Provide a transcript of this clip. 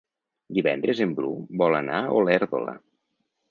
Divendres en Bru vol anar a Olèrdola.